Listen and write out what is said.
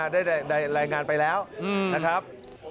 ได้รายงานไปแล้วนะครับ